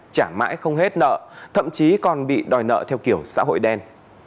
trả mãi không hết nợ thậm chí còn bị đòi nợ theo kiểu xã hội đen